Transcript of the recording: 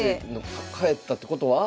帰ったってことは？